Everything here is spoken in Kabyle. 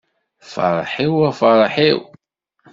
Ferḥ-iw a ferḥ-iw.